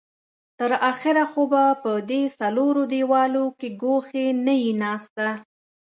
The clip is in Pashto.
تر اخره خو به په دې څلورو دېوالو کې ګوښې نه يې ناسته.